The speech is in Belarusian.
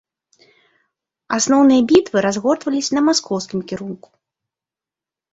Асноўныя бітвы разгортваліся на маскоўскім кірунку.